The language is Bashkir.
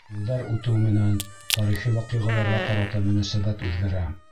Йылдар үтеү менән тарихи ваҡиғаларға ҡарата мөнәсәбәт үҙгәрә.